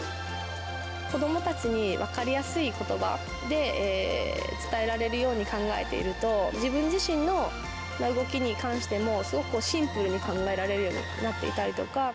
子どもたちに分かりやすいことばで、伝えられるように考えていると、自分自身の動きに関しても、すごくシンプルに考えられるようになっていたりとか。